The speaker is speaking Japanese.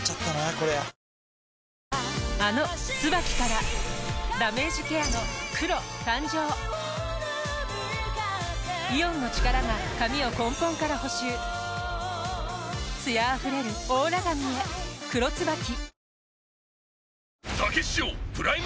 コリャあの「ＴＳＵＢＡＫＩ」からダメージケアの黒誕生イオンの力が髪を根本から補修艶あふれるオーラ髪へ「黒ＴＳＵＢＡＫＩ」